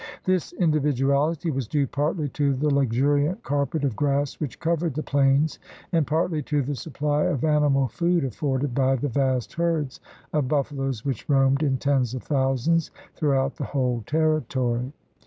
This individuality was due partly to the luxuriant carpet of grass which covered the plains and partly to the supply of animal food af forded by the vast herds of buffaloes which roamed in tens of thousands throughout the whole terri tory.